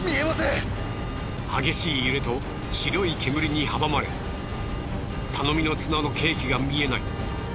激しい揺れと白い煙に阻まれ頼みの綱の計器が見えない